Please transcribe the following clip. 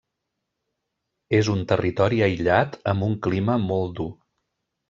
És un territori aïllat amb un clima molt dur.